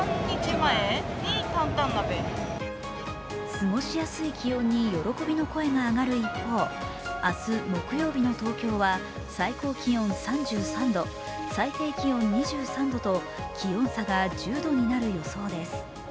過ごしやすい気温に喜びの声が上がる一方、明日木曜日の東京は最高気温３３度、最低気温２３度と気温差が１０度になる予想です。